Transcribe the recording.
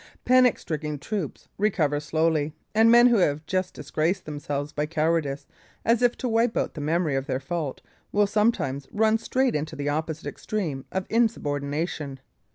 Panic stricken troops recover slowly, and men who have just disgraced themselves by cowardice, as if to wipe out the memory of their fault, will sometimes run straight into the opposite extreme of insubordination.